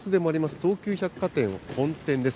東急百貨店本店です。